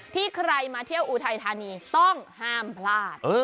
ใครมาเที่ยวอุทัยธานีต้องห้ามพลาด